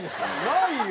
ないよ！